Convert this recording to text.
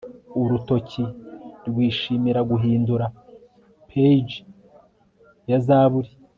Urutoki rwishimira guhindura page ya Zaburi